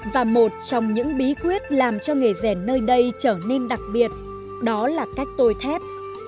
và một trong những bí quyết làm cho nghề rèn nơi đây trở nên đặc biệt đó là cách tôi thép